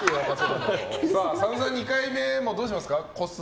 佐野さん、２回目個数どうしますか。